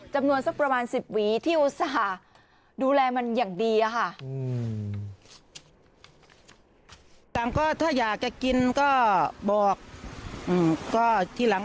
จำนวนสักประมาณ๑๐หวีที่อุตส่าห์ดูแลมันอย่างดีอะค่ะ